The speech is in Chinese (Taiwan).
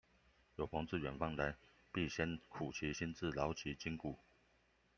有朋自遠方來，必先苦其心志，勞其筋骨